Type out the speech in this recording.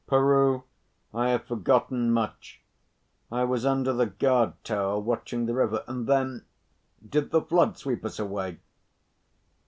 "Peroo, I have forgotten much I was under the guard tower watching the river; and then Did the flood sweep us away?"